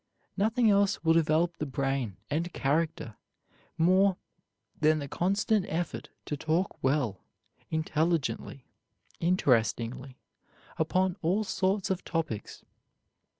Nothing else will develop the brain and character more than the constant effort to talk well, intelligently, interestingly, upon all sorts of topics.